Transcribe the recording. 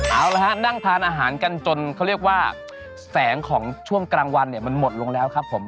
เอาละฮะนั่งทานอาหารกันจนเขาเรียกว่าแสงของช่วงกลางวันเนี่ยมันหมดลงแล้วครับผม